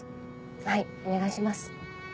はいお願いします。